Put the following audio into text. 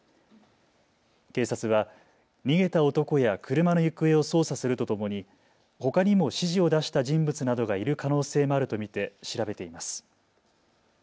警察は逃げた男や車の行方を捜査するとともにほかにも指示を出した人物などがいる可能性もあると見て調べています。